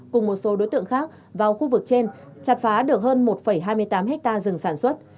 cùng một số đối tượng khác vào khu vực trên chặt phá được hơn một hai mươi tám hectare rừng sản xuất